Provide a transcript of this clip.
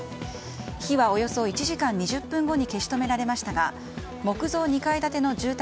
火はおよそ１時間２０分後に消し止められましたが木造２階建ての住宅